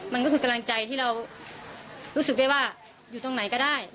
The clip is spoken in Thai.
มันก็คือกำลังใจที่เรารู้สึกได้ว่าอยู่ตรงไหนก็ได้